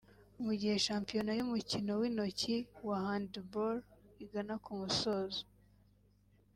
Mu gihe Shampiona y’umukino w’intoki wa Handball igana ku musozo